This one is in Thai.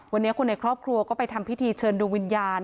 วันนี้คนในครอบครัวก็ไปทำพิธีเชิญดวงวิญญาณ